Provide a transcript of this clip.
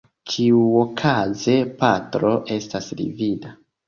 Ĉiuokaze, Patro estas livida.